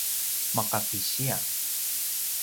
maka kisiya